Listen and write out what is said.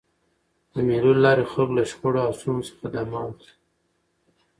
د مېلو له لاري خلک له شخړو او ستونزو څخه دمه اخلي.